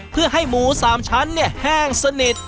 เพื่อให้หมูสามชั้นเนี่ยแห้งสนิท